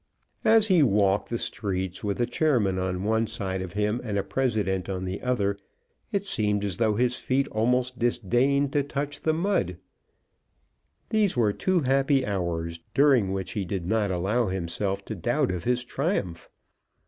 As he walked the streets, with a chairman on one side of him and a president on the other, it seemed as though his feet almost disdained to touch the mud. These were two happy hours, during which he did not allow himself to doubt of his triumph.